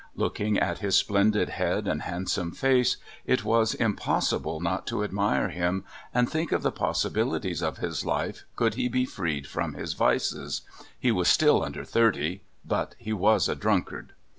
Looking at his splendid head and handsome face, it was impossi ble not to admire him and think of the possibilities of his life could he be freed from his vices. He was still under thirty. But he was a drunkard.